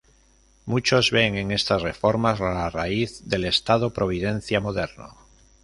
Muchos ven en estas reformas la raíz del estado providencia moderno.